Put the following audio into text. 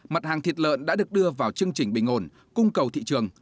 mặt hàng thịt lợn đã được đưa vào chương trình bình ồn cung cầu thị trường